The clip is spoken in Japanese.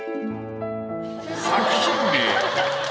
作品名。